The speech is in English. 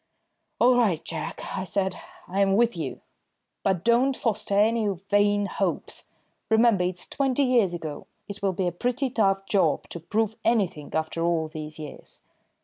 "All right, Jack," I said, "I'm with you. But don't foster any vain hopes. Remember, it's twenty years ago. It will be a pretty tough job to prove anything after all these years."